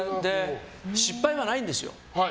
失敗はないんですよ。